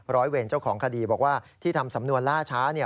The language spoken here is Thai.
ร้อยเวรเจ้าของคดีบอกว่าที่ทำสำนวนล่าช้าเนี่ย